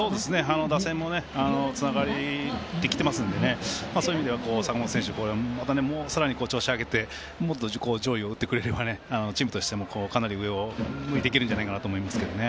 打線も調子がいいので坂本選手、さらに調子を上げて上位を打ってくれればチームとしても、かなり上を向いていけるんじゃないかと思いますけどね。